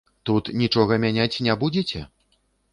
Тут нічога мяняць не будзеце?